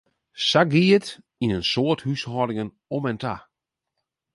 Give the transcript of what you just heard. Sa gie it yn in soad húshâldingen om en ta.